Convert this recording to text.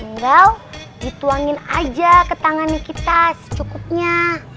tinggal dituangin aja ke tangan kita secukupnya